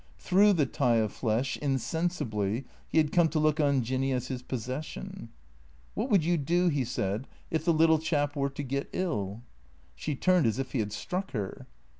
Through the tie of flesh, insensibly, he had come to look on Jinny as his possession. " What would you do," he said, " if the little chap were to get ill?" She turned as if he had struck her.